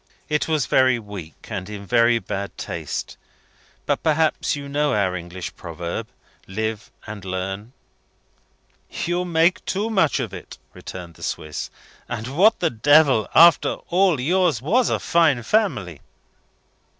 It was very weak, and in very bad taste; but perhaps you know our English proverb, 'Live and Learn.'" "You make too much of it," returned the Swiss. "And what the devil! After all, yours was a fine family."